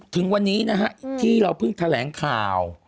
ถึงวันนี้นะฮะที่เราเพิ่งแถลงข่าว